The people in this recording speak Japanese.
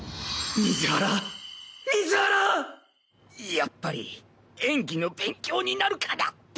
やっぱり演技の勉強になるかなって。